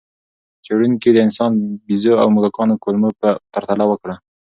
څېړونکي د انسان، بیزو او موږکانو کولمو پرتله وکړه.